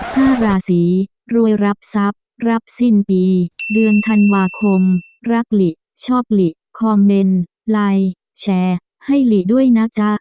ห้าราศีรวยรับทรัพย์รับสิ้นปีเดือนธันวาคมรักหลิชอบหลีคอมเมนต์ไลน์แชร์ให้หลีด้วยนะจ๊ะ